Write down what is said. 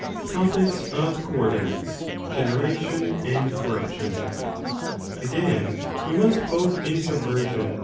—Topics of Co ordinates,* Generation and Corruption. AGAIN, we must both in subversion.